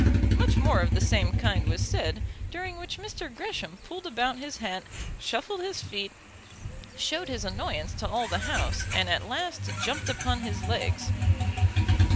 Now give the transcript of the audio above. Much more of the same kind was said, during which Mr. Gresham pulled about his hat, shuffled his feet, showed his annoyance to all the House, and at last jumped upon his legs.